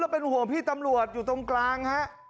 โอ้โฮผมเป็นห่วงพี่ตำรวจอยู่ตรงกลางครับ